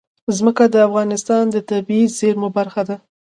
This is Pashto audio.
ځمکه د افغانستان د طبیعي زیرمو برخه ده.